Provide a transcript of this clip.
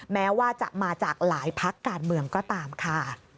แม้ว่าจะมาจากหลายพักการเมืองก็ตามค่ะ